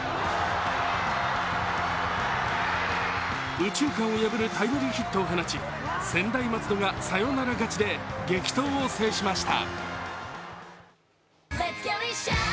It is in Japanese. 右中間を破るタイムリーヒットを放ち、専大松戸がサヨナラ勝ちで激闘を制しました。